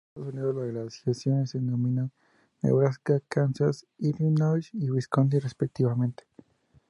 En Estados Unidos las glaciaciones se denominan Nebraska, Kansas, Illinois y Wisconsin respectivamente.